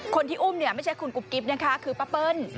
คนที่อุ้มเนี่ยไม่ใช่คุณกุ๊บกิ๊บนะคะคือป้าเปิ้ล